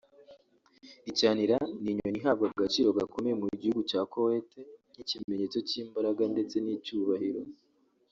Icyanira ni inyoni ihabwa agaciro gakomeye mu gihugu cya Kuwait nk’ikimenyetso cy’imbaraga ndetse n’icyubahiro